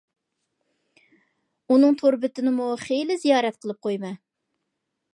ئۇنىڭ تور بېتىنىمۇ خىلى زىيارەت قىلىپ قويىمەن.